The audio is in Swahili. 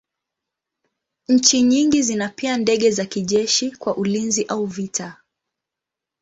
Nchi nyingi zina pia ndege za kijeshi kwa ulinzi au vita.